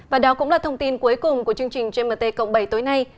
và đó cũng là thông tin cuối cùng của chương trình gmt cộng bảy tối nay